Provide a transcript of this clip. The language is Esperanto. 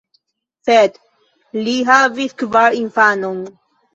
Sed li havis kvar infanon.